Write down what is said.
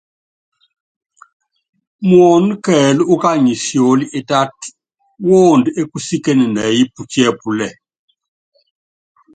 Muɔ́n kɛɛl úkany sióli ítát woond é kusíken nɛɛyɛ́ putiɛ́ púlɛl.